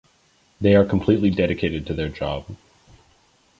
They are completely dedicated to their job.